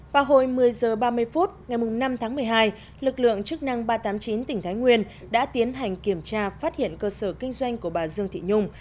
vào hồi một mươi h ba mươi phút ngày năm tháng một mươi hai lực lượng chức năng ba trăm tám mươi chín tỉnh thái nguyên đã tiến hành kiểm tra phát hiện cơ sở kinh doanh của bà dương thị nhung